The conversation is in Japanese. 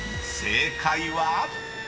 ［正解は⁉］